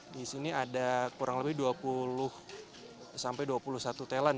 di sini ada kurang lebih dua puluh sampai dua puluh satu talent